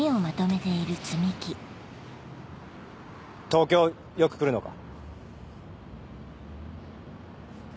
東京よく来るのか？